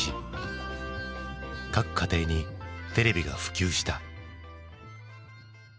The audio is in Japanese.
各家庭にテレビが普及した。